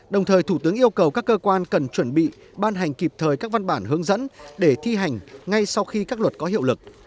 đồng thời thủ tướng yêu cầu các cơ quan cần chuẩn bị ban hành kịp thời các văn bản hướng dẫn để thi hành ngay sau khi các luật có hiệu lực